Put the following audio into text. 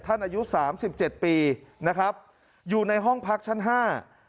อายุสามสิบเจ็ดปีนะครับอยู่ในห้องพักชั้นห้า